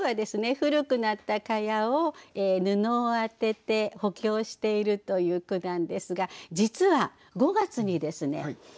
古くなった蚊帳を布を当てて補強しているという句なんですが実は５月にですね